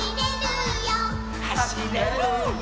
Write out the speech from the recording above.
「はしれるよ」